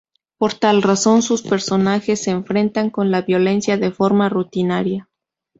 Por tal razón, sus personajes se enfrentan con la violencia de forma rutinaria.